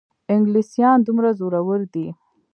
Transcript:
انګلیسیان دومره زورور دي.